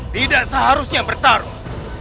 tidak seharusnya bertarung